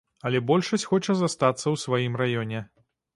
Але большасць хоча застацца ў сваім раёне.